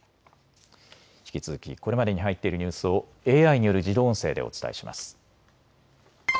引き続きこれまでに入っているニュースをＡＩによる自動音声でお伝えします。